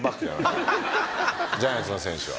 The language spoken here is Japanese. ジャイアンツの選手は。